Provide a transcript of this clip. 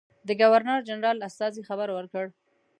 د ګورنرجنرال استازي خبر ورکړ.